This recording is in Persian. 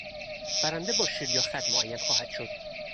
برنده با شیر یا خط معین خواهد شد.